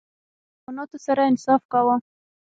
هغه له ټولو حیواناتو سره انصاف کاوه.